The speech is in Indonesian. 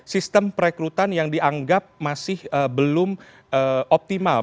sistem perekrutan yang dianggap masih belum optimal